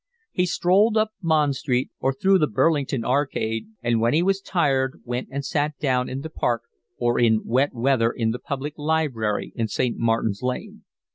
He strolled up Bond Street or through the Burlington Arcade, and when he was tired went and sat down in the Park or in wet weather in the public library in St. Martin's Lane.